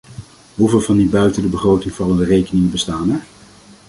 Hoeveel van die buiten de begroting vallende rekeningen bestaan er?